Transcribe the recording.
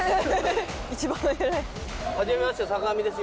はじめまして坂上です